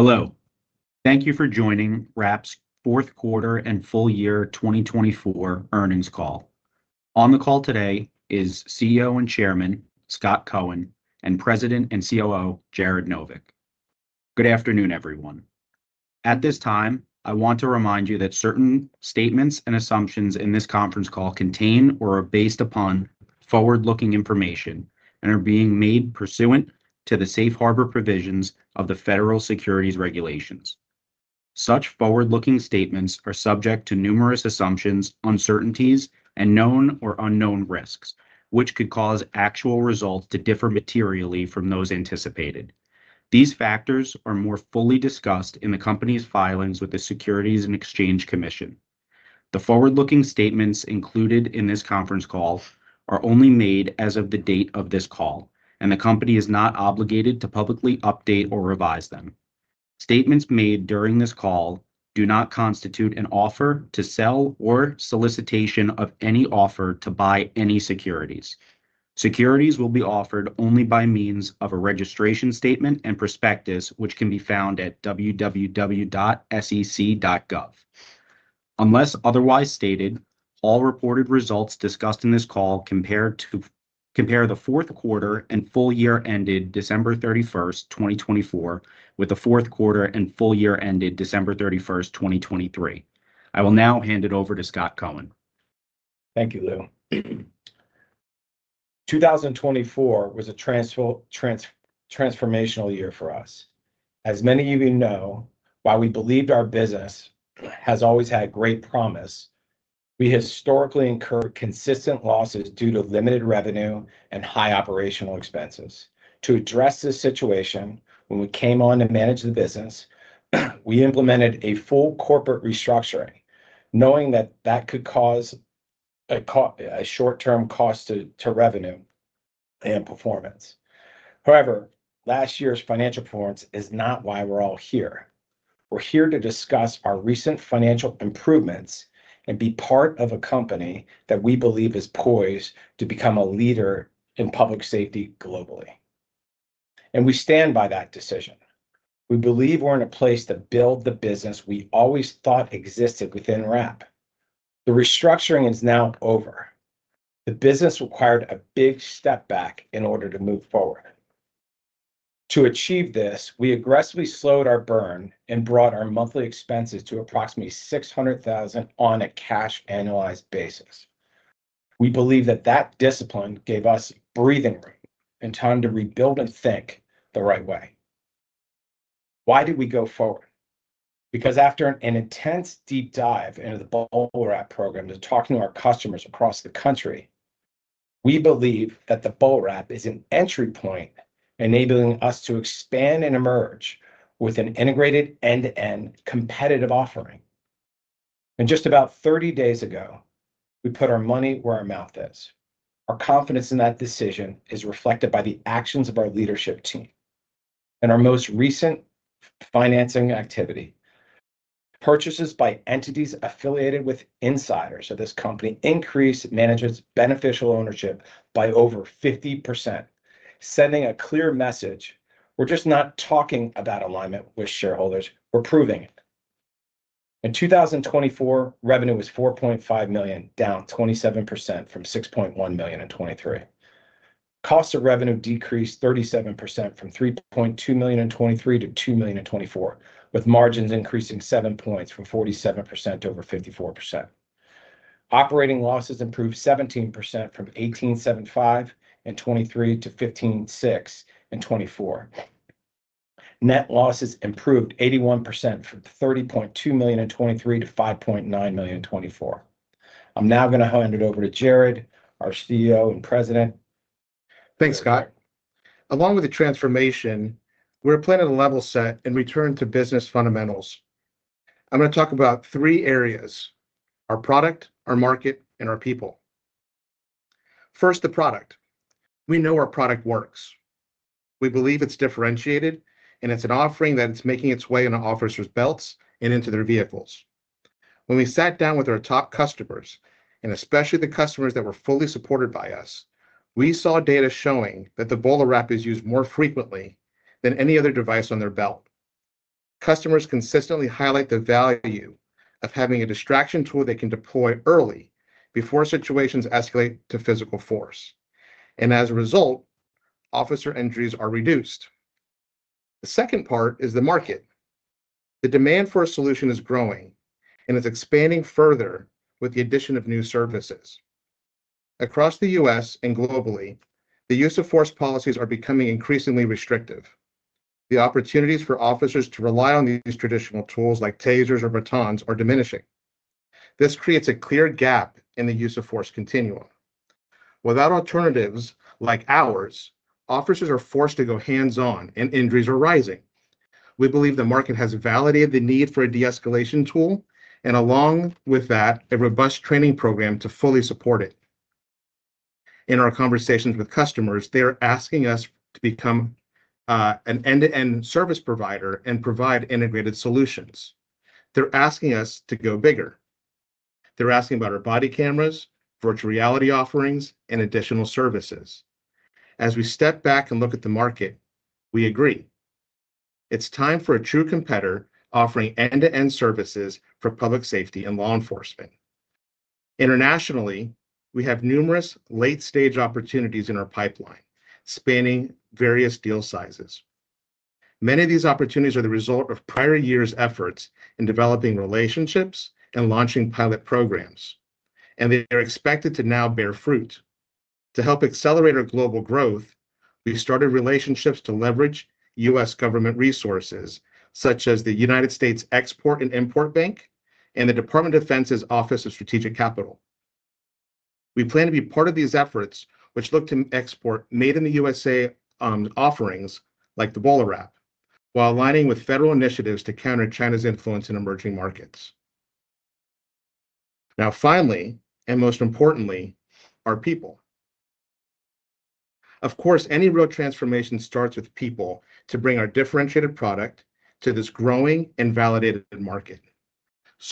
Hello. Thank you for joining Wrap's fourth quarter and full year 2024 earnings call. On the call today is CEO and Chairman Scot Cohen and President and COO Jared Novick. Good afternoon, everyone. At this time, I want to remind you that certain statements and assumptions in this conference call contain or are based upon forward-looking information and are being made pursuant to the safe harbor provisions of the federal securities regulations. Such forward-looking statements are subject to numerous assumptions, uncertainties, and known or unknown risks, which could cause actual results to differ materially from those anticipated. These factors are more fully discussed in the company's filings with the Securities and Exchange Commission. The forward-looking statements included in this conference call are only made as of the date of this call, and the company is not obligated to publicly update or revise them. Statements made during this call do not constitute an offer to sell or solicitation of any offer to buy any securities. Securities will be offered only by means of a registration statement and prospectus, which can be found at www.sec.gov. Unless otherwise stated, all reported results discussed in this call compare the fourth quarter and full year ended December 31, 2024, with the fourth quarter and full year ended December 31, 2023. I will now hand it over to Scot Cohen. Thank you, Lou. 2024 was a transformational year for us. As many of you know, while we believed our business has always had great promise, we historically incurred consistent losses due to limited revenue and high operational expenses. To address this situation, when we came on to manage the business, we implemented a full corporate restructuring, knowing that that could cause a short-term cost to revenue and performance. However, last year's financial performance is not why we're all here. We're here to discuss our recent financial improvements and be part of a company that we believe is poised to become a leader in public safety globally. We stand by that decision. We believe we're in a place to build the business we always thought existed within Wrap. The restructuring is now over. The business required a big step back in order to move forward. To achieve this, we aggressively slowed our burn and brought our monthly expenses to approximately $600,000 on a cash annualized basis. We believe that that discipline gave us breathing room and time to rebuild and think the right way. Why did we go forward? Because after an intense deep dive into the BolaWrap program to talk to our customers across the country, we believe that the BolaWrap is an entry point enabling us to expand and emerge with an integrated end-to-end competitive offering. Just about 30 days ago, we put our money where our mouth is. Our confidence in that decision is reflected by the actions of our leadership team. In our most recent financing activity, purchases by entities affiliated with insiders of this company increased management's beneficial ownership by over 50%, sending a clear message: we're just not talking about alignment with shareholders. We're proving it. In 2024, revenue was $4.5 million, down 27% from $6.1 million in 2023. Cost of revenue decreased 37% from $3.2 million in 2023 to $2 million in 2024, with margins increasing 7 percentage points from 47% to over 54%. Operating losses improved 17% from $1,875 in 2023 to $1,506 in 2024. Net losses improved 81% from $30.2 million in 2023 to $5.9 million in 2024. I'm now going to hand it over to Jared, our CEO and President. Thanks, Scot. Along with the transformation, we're planning to level set and return to business fundamentals. I'm going to talk about three areas: our product, our market, and our people. First, the product. We know our product works. We believe it's differentiated, and it's an offering that's making its way into officers' belts and into their vehicles. When we sat down with our top customers, and especially the customers that were fully supported by us, we saw data showing that the BolaWrap is used more frequently than any other device on their belt. Customers consistently highlight the value of having a distraction tool they can deploy early before situations escalate to physical force. As a result, officer injuries are reduced. The second part is the market. The demand for a solution is growing, and it's expanding further with the addition of new services. Across the U.S. Globally, the use of force policies are becoming increasingly restrictive. The opportunities for officers to rely on these traditional tools like Tasers or batons are diminishing. This creates a clear gap in the use of force continuum. Without alternatives like ours, officers are forced to go hands-on and injuries are rising. We believe the market has validated the need for a de-escalation tool, and along with that, a robust training program to fully support it. In our conversations with customers, they're asking us to become an end-to-end service provider and provide integrated solutions. They're asking us to go bigger. They're asking about our body cameras, virtual reality offerings, and additional services. As we step back and look at the market, we agree. It's time for a true competitor offering end-to-end services for public safety and law enforcement. Internationally, we have numerous late-stage opportunities in our pipeline spanning various deal sizes. Many of these opportunities are the result of prior years' efforts in developing relationships and launching pilot programs, and they are expected to now bear fruit. To help accelerate our global growth, we've started relationships to leverage U.S. government resources, such as the United States Export-Import Bank and the Department of Defense's Office of Strategic Capital. We plan to be part of these efforts, which look to export made-in-the-U.S.A. offerings like the BolaWrap, while aligning with federal initiatives to counter China's influence in emerging markets. Now, finally, and most importantly, our people. Of course, any real transformation starts with people to bring our differentiated product to this growing and validated market.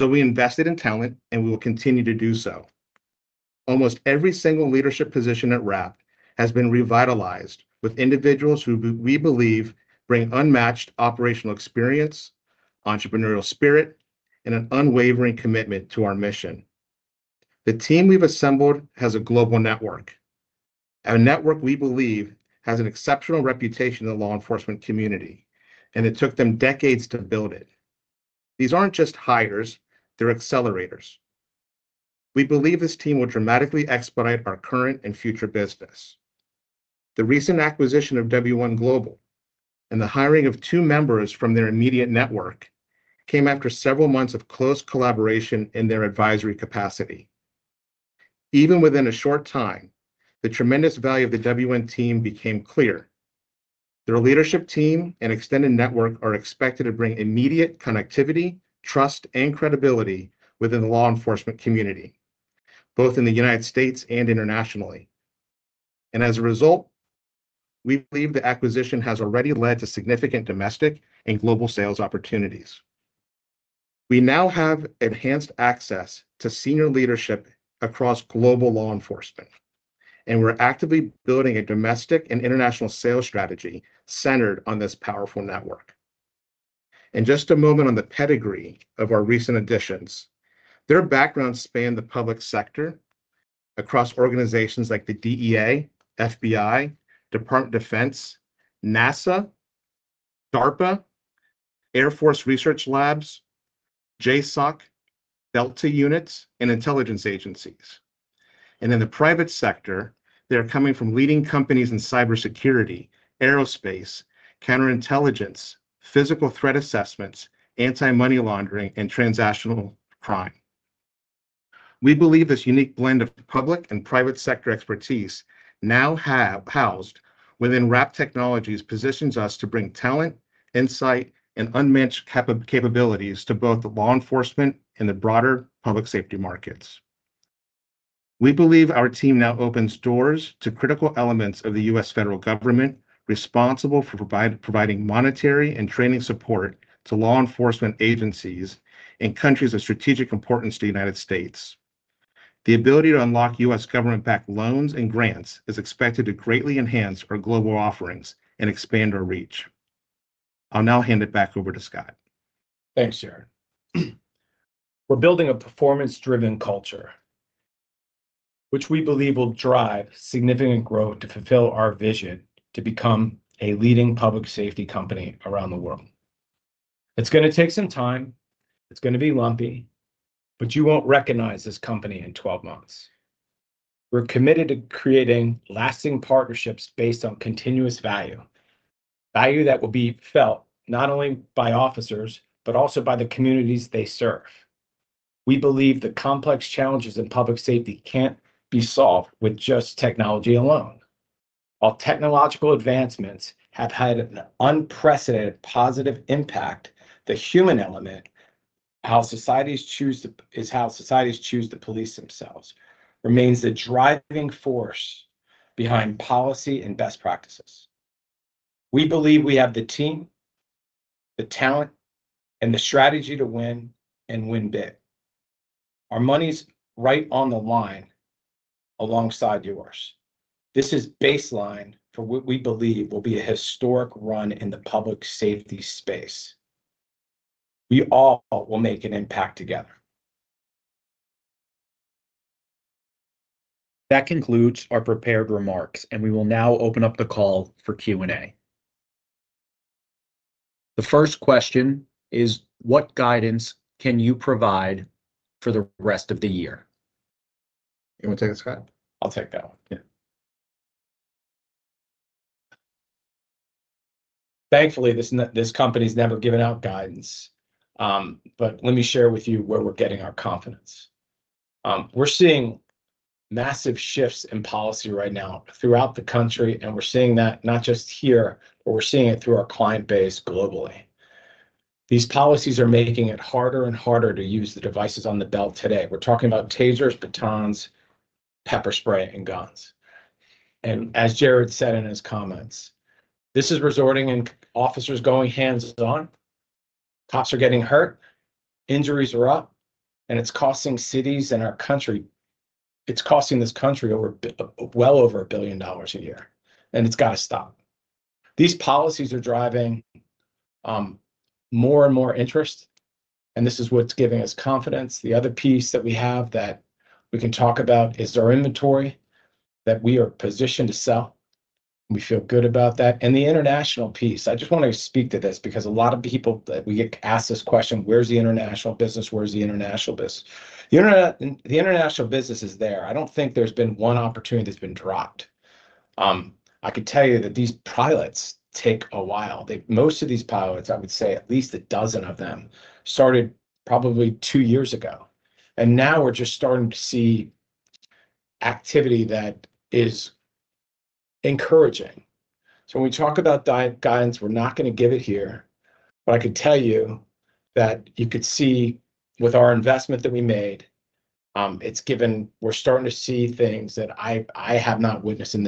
We invested in talent, and we will continue to do so. Almost every single leadership position at Wrap has been revitalized with individuals who we believe bring unmatched operational experience, entrepreneurial spirit, and an unwavering commitment to our mission. The team we've assembled has a global network. Our network, we believe, has an exceptional reputation in the law enforcement community, and it took them decades to build it. These aren't just hires; they're accelerators. We believe this team will dramatically expedite our current and future business. The recent acquisition of W1 Global and the hiring of two members from their immediate network came after several months of close collaboration in their advisory capacity. Even within a short time, the tremendous value of the W1 team became clear. Their leadership team and extended network are expected to bring immediate connectivity, trust, and credibility within the law enforcement community, both in the United States and internationally. As a result, we believe the acquisition has already led to significant domestic and global sales opportunities. We now have enhanced access to senior leadership across global law enforcement, and we're actively building a domestic and international sales strategy centered on this powerful network. In just a moment on the pedigree of our recent additions, their backgrounds span the public sector across organizations like the DEA, FBI, Department of Defense, NASA, DARPA, Air Force Research Labs, JSOC, Delta units, and intelligence agencies. In the private sector, they're coming from leading companies in cybersecurity, aerospace, counterintelligence, physical threat assessments, anti-money laundering, and transactional crime. We believe this unique blend of public and private sector expertise now housed within Wrap Technologies positions us to bring talent, insight, and unmatched capabilities to both law enforcement and the broader public safety markets. We believe our team now opens doors to critical elements of the U.S. federal government responsible for providing monetary and training support to law enforcement agencies in countries of strategic importance to the United States. The ability to unlock U.S. government-backed loans and grants is expected to greatly enhance our global offerings and expand our reach. I'll now hand it back over to Scot. Thanks, Jared. We're building a performance-driven culture, which we believe will drive significant growth to fulfill our vision to become a leading public safety company around the world. It's going to take some time. It's going to be lumpy, but you won't recognize this company in 12 months. We're committed to creating lasting partnerships based on continuous value, value that will be felt not only by officers but also by the communities they serve. We believe the complex challenges in public safety can't be solved with just technology alone. While technological advancements have had an unprecedented positive impact, the human element, how societies choose to police themselves, remains the driving force behind policy and best practices. We believe we have the team, the talent, and the strategy to win and win big. Our money's right on the line alongside yours. This is baseline for what we believe will be a historic run in the public safety space. We all will make an impact together. That concludes our prepared remarks, and we will now open up the call for Q&A. The first question is, what guidance can you provide for the rest of the year? You want to take that, Scot? I'll take that one. Thankfully, this company has never given out guidance, but let me share with you where we're getting our confidence. We're seeing massive shifts in policy right now throughout the country, and we're seeing that not just here, but we're seeing it through our client base globally. These policies are making it harder and harder to use the devices on the belt today. We're talking about Tasers, batons, pepper spray, and guns. As Jared said in his comments, this is resulting in officers going hands-on, cops are getting hurt, injuries are up, and it's costing cities and our country—it's costing this country well over $1 billion a year, and it's got to stop. These policies are driving more and more interest, and this is what's giving us confidence. The other piece that we have that we can talk about is our inventory that we are positioned to sell. We feel good about that. The international piece, I just want to speak to this because a lot of people that we get asked this question, "Where's the international business? Where's the international business?" The international business is there. I don't think there's been one opportunity that's been dropped. I can tell you that these pilots take a while. Most of these pilots, I would say at least a dozen of them, started probably two years ago. Now we're just starting to see activity that is encouraging. When we talk about guidance, we're not going to give it here, but I can tell you that you could see with our investment that we made, we're starting to see things that I have not witnessed in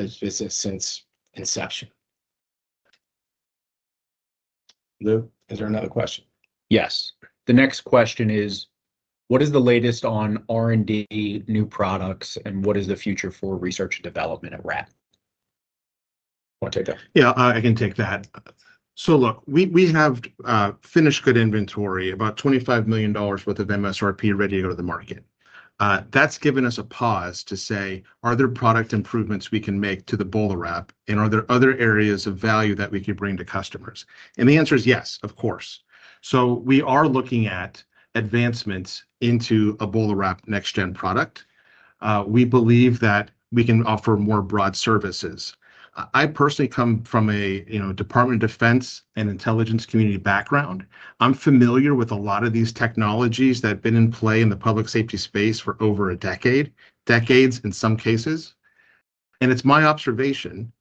this business since inception. Lou, is there another question? Yes. The next question is, what is the latest on R&D, new products, and what is the future for research and development at Wrap? I'll take that. Yeah, I can take that. Look, we have finished good inventory, about $25 million worth of MSRP ready to go to the market. That has given us a pause to say, are there product improvements we can make to the BolaWrap, and are there other areas of value that we could bring to customers? The answer is yes, of course. We are looking at advancements into a BolaWrap next-gen product. We believe that we can offer more broad services. I personally come from a Department of Defense and intelligence community background. I'm familiar with a lot of these technologies that have been in play in the public safety space for over a decade, decades in some cases. It's my observation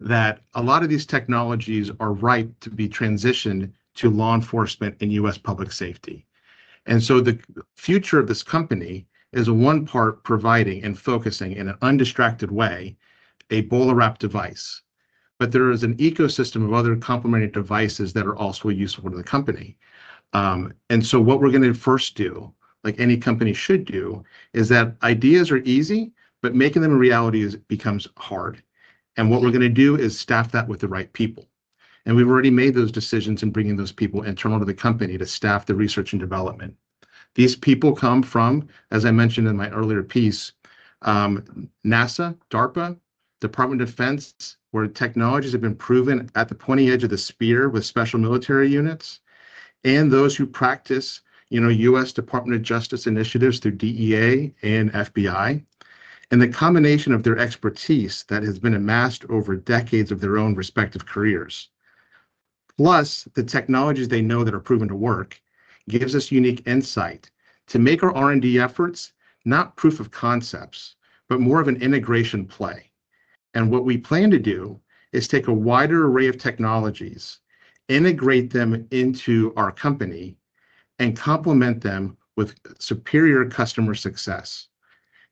that a lot of these technologies are ripe to be transitioned to law enforcement and U.S. public safety. The future of this company is, on one part, providing and focusing in an undistracted way a BolaWrap device, but there is an ecosystem of other complementary devices that are also useful to the company. What we're going to first do, like any company should do, is that ideas are easy, but making them a reality becomes hard. What we're going to do is staff that with the right people. We've already made those decisions in bringing those people internal to the company to staff the research and development. These people come from, as I mentioned in my earlier piece, NASA, DARPA, Department of Defense, where technologies have been proven at the pointy edge of the spear with special military units, and those who practice U.S. Department of Justice initiatives through DEA and FBI, and the combination of their expertise that has been amassed over decades of their own respective careers. Plus, the technologies they know that are proven to work gives us unique insight to make our R&D efforts not proof of concepts, but more of an integration play. What we plan to do is take a wider array of technologies, integrate them into our company, and complement them with superior customer success.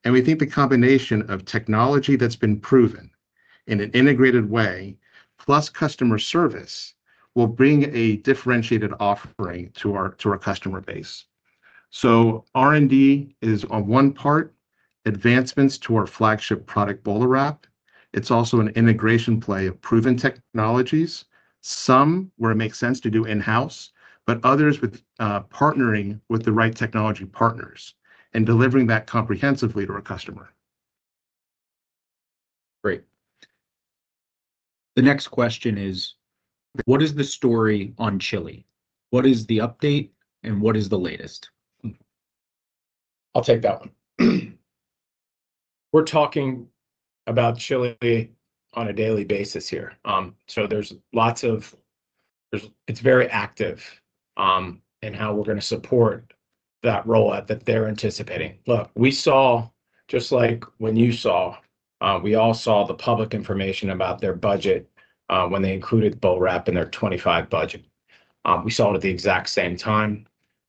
We think the combination of technology that's been proven in an integrated way, plus customer service, will bring a differentiated offering to our customer base. R&D is, on one part, advancements to our flagship product, BolaWrap. It's also an integration play of proven technologies, some where it makes sense to do in-house, but others with partnering with the right technology partners and delivering that comprehensively to our customer. Great. The next question is, what is the story on Chile? What is the update, and what is the latest? I'll take that one. We're talking about Chile on a daily basis here. There is lots of—it is very active in how we're going to support that rollout that they're anticipating. Look, we saw, just like when you saw, we all saw the public information about their budget when they included BolaWrap in their 2025 budget. We saw it at the exact same time.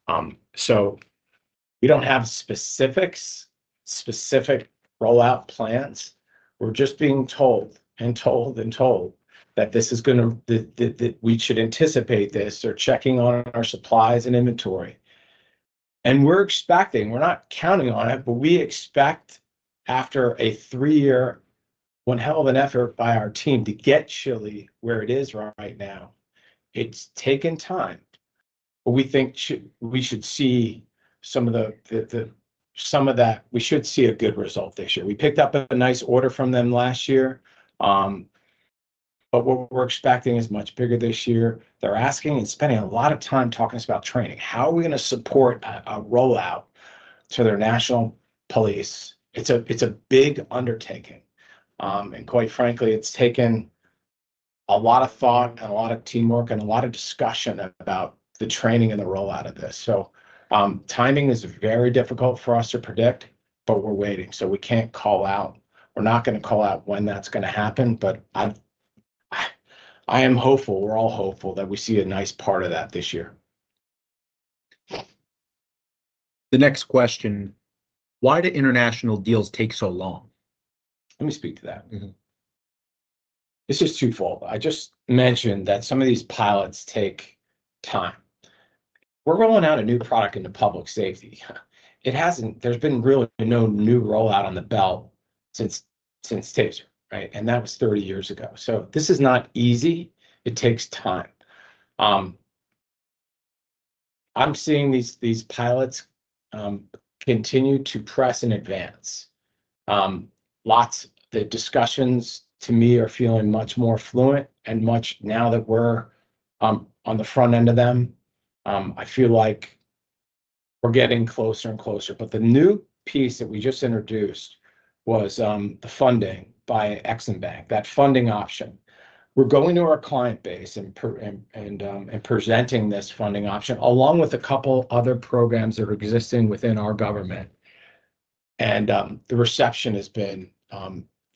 We do not have specifics, specific rollout plans. We're just being told and told and told that this is going to—that we should anticipate this or checking on our supplies and inventory. We're expecting—we're not counting on it, but we expect after a three-year, one hell of an effort by our team to get Chile where it is right now. It's taken time, but we think we should see some of the—some of that we should see a good result this year. We picked up a nice order from them last year, but what we're expecting is much bigger this year. They're asking and spending a lot of time talking to us about training. How are we going to support a rollout to their national police? It's a big undertaking. Quite frankly, it's taken a lot of thought and a lot of teamwork and a lot of discussion about the training and the rollout of this. Timing is very difficult for us to predict, but we're waiting. We can't call out—we're not going to call out when that's going to happen, but I am hopeful—we're all hopeful—that we see a nice part of that this year. The next question, why do international deals take so long? Let me speak to that. This is twofold. I just mentioned that some of these pilots take time. We're rolling out a new product into public safety. There's been really no new rollout on the belt since Taser, right? And that was 30 years ago. This is not easy. It takes time. I'm seeing these pilots continue to press and advance. The discussions, to me, are feeling much more fluent and much—now that we're on the front end of them, I feel like we're getting closer and closer. The new piece that we just introduced was the funding by EXIM Bank, that funding option. We're going to our client base and presenting this funding option along with a couple of other programs that are existing within our government. The reception has been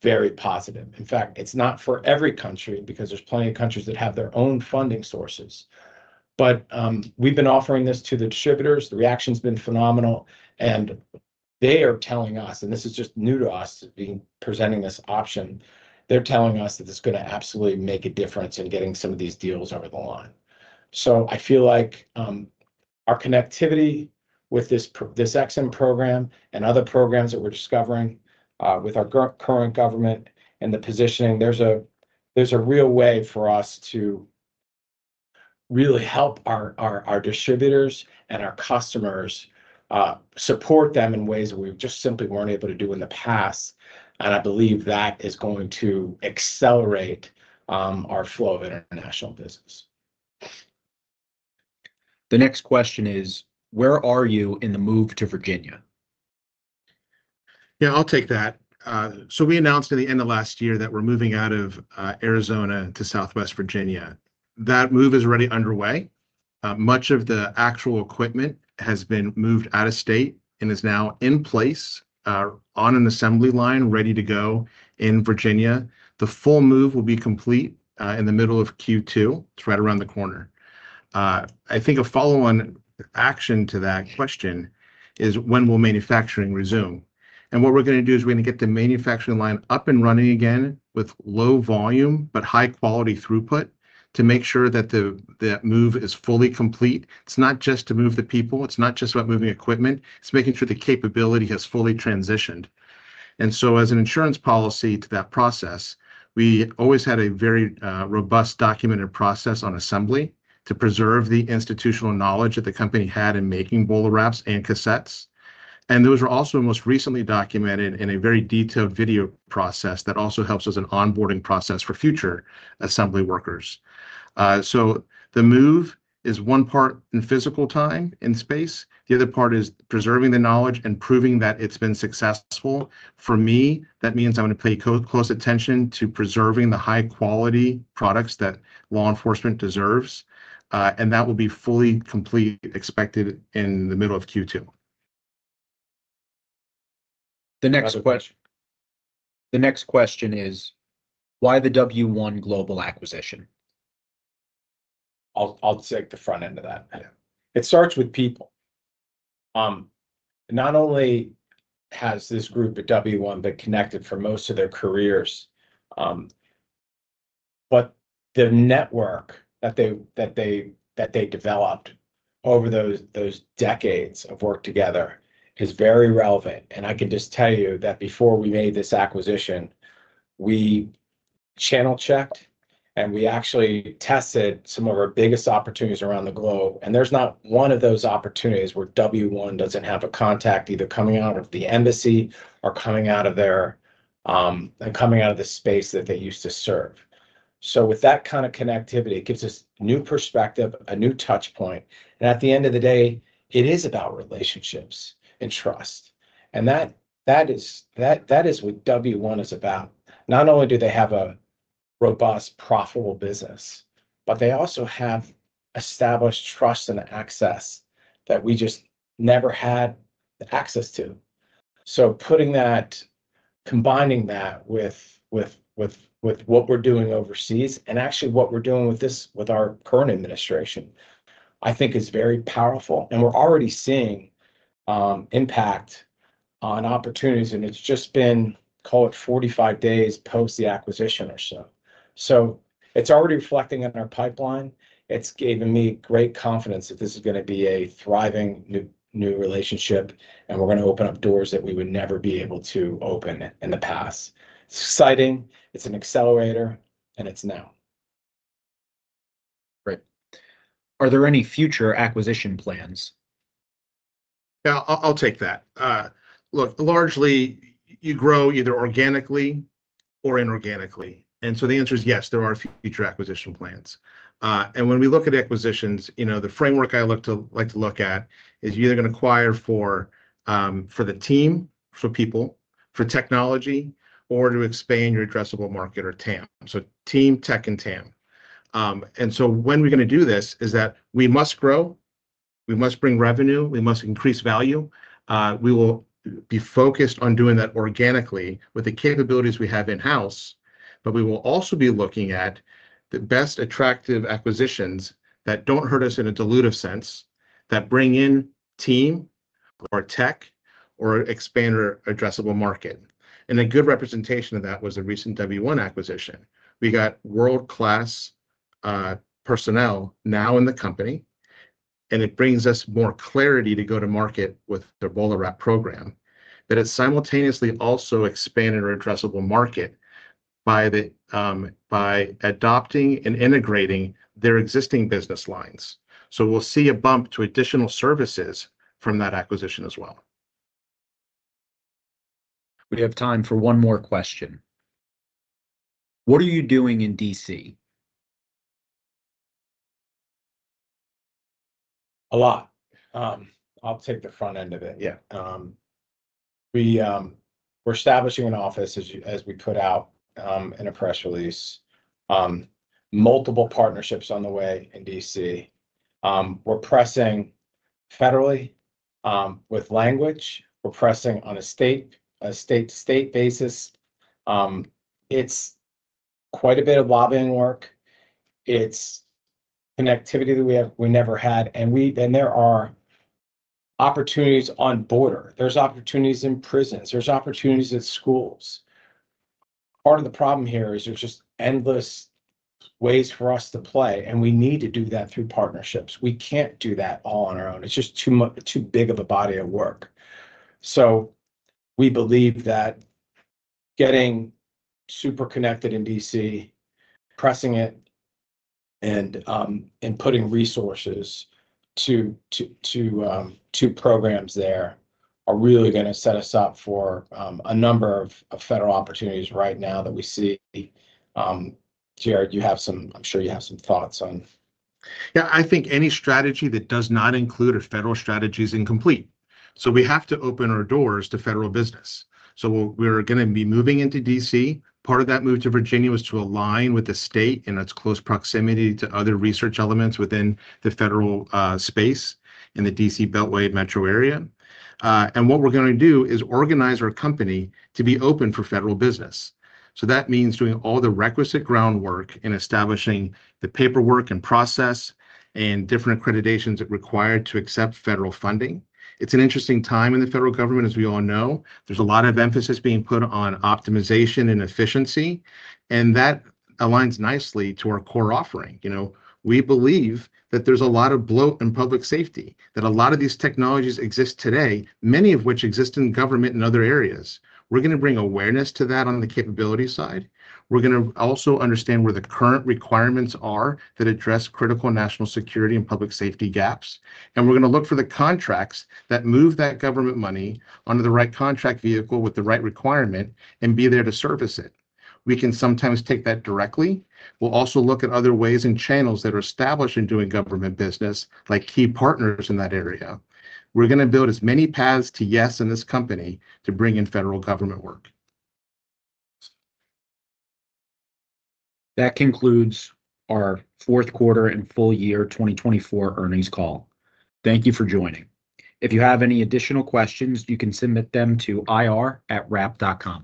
very positive. In fact, it's not for every country because there's plenty of countries that have their own funding sources. We've been offering this to the distributors. The reaction has been phenomenal. They are telling us—and this is just new to us—being presenting this option. They're telling us that it's going to absolutely make a difference in getting some of these deals over the line. I feel like our connectivity with this EXIM program and other programs that we're discovering with our current government and the positioning, there's a real way for us to really help our distributors and our customers, support them in ways we just simply weren't able to do in the past. I believe that is going to accelerate our flow of international business. The next question is, where are you in the move to Virginia? Yeah, I'll take that. We announced at the end of last year that we're moving out of Arizona to southwest Virginia. That move is already underway. Much of the actual equipment has been moved out of state and is now in place on an assembly line ready to go in Virginia. The full move will be complete in the middle of Q2. It's right around the corner. I think a follow-on action to that question is, when will manufacturing resume? What we're going to do is we're going to get the manufacturing line up and running again with low volume but high-quality throughput to make sure that the move is fully complete. It's not just to move the people. It's not just about moving equipment. It's making sure the capability has fully transitioned. As an insurance policy to that process, we always had a very robust documented process on assembly to preserve the institutional knowledge that the company had in making BolaWraps and cassettes. Those are also most recently documented in a very detailed video process that also helps us in onboarding process for future assembly workers. The move is one part in physical time and space. The other part is preserving the knowledge and proving that it has been successful. For me, that means I am going to pay close attention to preserving the high-quality products that law enforcement deserves. That will be fully complete expected in the middle of Q2. The next question is, why the W1 Global acquisition? I'll take the front end of that. It starts with people. Not only has this group at W1 Global been connected for most of their careers, but the network that they developed over those decades of work together is very relevant. I can just tell you that before we made this acquisition, we channel checked and we actually tested some of our biggest opportunities around the globe. There is not one of those opportunities where W1 Global does not have a contact either coming out of the embassy or coming out of their, and coming out of the space that they used to serve. With that kind of connectivity, it gives us new perspective, a new touchpoint. At the end of the day, it is about relationships and trust. That is what W1 Global is about. Not only do they have a robust, profitable business, but they also have established trust and access that we just never had access to. Putting that, combining that with what we're doing overseas and actually what we're doing with our current administration, I think is very powerful. We're already seeing impact on opportunities. It's just been, call it, 45 days post the acquisition or so. It's already reflecting on our pipeline. It's given me great confidence that this is going to be a thriving new relationship, and we're going to open up doors that we would never be able to open in the past. It's exciting. It's an accelerator, and it's now. Great. Are there any future acquisition plans? Yeah, I'll take that. Look, largely, you grow either organically or inorganically. The answer is yes, there are future acquisition plans. When we look at acquisitions, the framework I like to look at is you're either going to acquire for the team, for people, for technology, or to expand your addressable market or TAM. Team, tech, and TAM. When we're going to do this is that we must grow, we must bring revenue, we must increase value. We will be focused on doing that organically with the capabilities we have in-house, but we will also be looking at the best attractive acquisitions that do not hurt us in a dilutive sense that bring in team or tech or expand our addressable market. A good representation of that was a recent W1 Global acquisition. We got world-class personnel now in the company, and it brings us more clarity to go to market with the BolaWrap program that it simultaneously also expanded our addressable market by adopting and integrating their existing business lines. We will see a bump to additional services from that acquisition as well. We have time for one more question. What are you doing in D.C.? A lot. I'll take the front end of it. Yeah. We're establishing an office, as we put out in a press release, multiple partnerships on the way in D.C. We're pressing federally with language. We're pressing on a state-to-state basis. It's quite a bit of lobbying work. It's connectivity that we never had. There are opportunities on border. There are opportunities in prisons. There are opportunities at schools. Part of the problem here is there's just endless ways for us to play, and we need to do that through partnerships. We can't do that all on our own. It's just too big of a body of work. We believe that getting super connected in D.C., pressing it, and putting resources to programs there are really going to set us up for a number of federal opportunities right now that we see. Jared, you have some—I am sure you have some thoughts on. Yeah, I think any strategy that does not include our federal strategy is incomplete. We have to open our doors to federal business. We are going to be moving into D.C. Part of that move to Virginia was to align with the state in its close proximity to other research elements within the federal space in the D.C. Beltway metro area. What we are going to do is organize our company to be open for federal business. That means doing all the requisite groundwork in establishing the paperwork and process and different accreditations that are required to accept federal funding. It is an interesting time in the federal government, as we all know. There is a lot of emphasis being put on optimization and efficiency, and that aligns nicely to our core offering. We believe that there's a lot of bloat in public safety, that a lot of these technologies exist today, many of which exist in government and other areas. We're going to bring awareness to that on the capability side. We're going to also understand where the current requirements are that address critical national security and public safety gaps. We're going to look for the contracts that move that government money under the right contract vehicle with the right requirement and be there to service it. We can sometimes take that directly. We'll also look at other ways and channels that are established in doing government business, like key partners in that area. We're going to build as many paths to yes in this company to bring in federal government work. That concludes our fourth quarter and full year 2024 earnings call. Thank you for joining. If you have any additional questions, you can submit them to ir@wrap.com.